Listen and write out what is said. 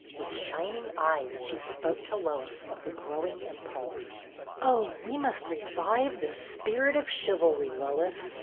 With shin ing eyes she spoke to Lois of the growing impulse. " Oh, we must revive the spirit of chivalry, Lois.